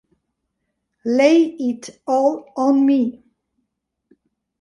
Lay It All on Me